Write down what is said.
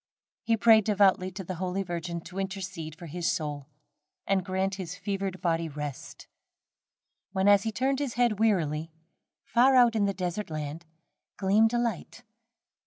He prayed devoutly to the Holy Virgin to intercede for his soul, and grant his fevered body rest; when, as he turned his head wearily, far out on the desert gleamed a light.